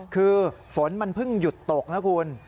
คือฝนมันเพิ่งหยุดตกนะคุณ